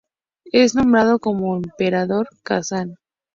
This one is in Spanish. Es nombrado como Emperador Kazan.